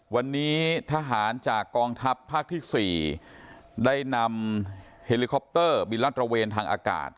วันนี้ทหารจากกองทัพภาคที่๔ได้นำเฮลิคอปเตอร์บินลาดตระเวนทางอากาศ